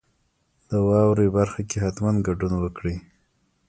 د واورئ برخه کې حتما ګډون وکړئ.